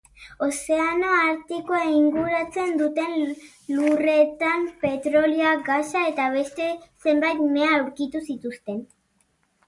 Ozeano Artikoa inguratzen duten lurretan petrolioa, gasa eta beste zenbait mea aurkitu zituzten.